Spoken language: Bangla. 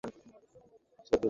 জন, ওইদিকে।